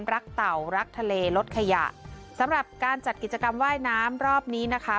เต่ารักทะเลลดขยะสำหรับการจัดกิจกรรมว่ายน้ำรอบนี้นะคะ